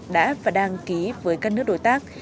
đã và đang ký với các nước đối tác